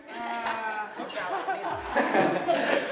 insya allah nid